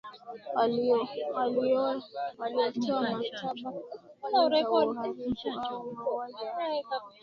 walitoa mkataba wa kuzuia uhalifu wa mauaji ya kimbari